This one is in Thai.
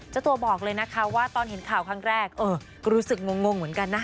เจ้าตัวบอกเลยนะคะว่าตอนเห็นข่าวครั้งแรกก็รู้สึกงงเหมือนกันนะ